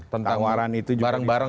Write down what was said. tawaran itu juga disampaikan